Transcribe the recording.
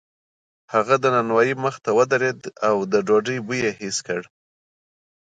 هغه د نانوایۍ مخې ته ودرېد او د ډوډۍ بوی یې حس کړ.